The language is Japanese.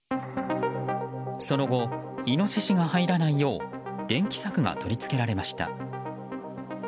その後イノシシが入らないよう電気柵が取り付けられました。